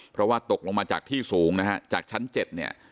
เพราะว่าตกลงมาจากที่สูงนะฮะจากชั้น๗เนี่ย